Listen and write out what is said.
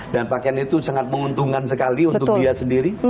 dan pakaian itu sangat menguntungkan sekali untuk dia sendiri